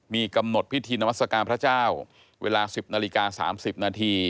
มีกำหนดพิธีนมัสการพระเจ้าเวลา๑๐น๓๐น